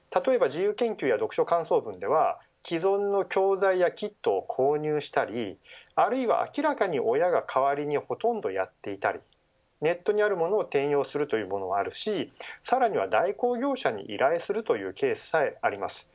例えば自由研究とか読書感想文では既存の教材やキットを購入したりあるいは明らかに親が代わりにほとんどやっていたりネットにあるものを転用するというのもあるしさらには代行業者に依頼するというケースさえあります。